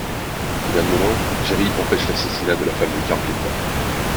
Au dernier moment, Jerry empêche l'assassinat de la femme de Carp Linda.